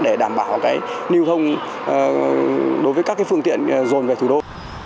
để đảm bảo lưu thông đối với các phương tiện dồn về thủ đô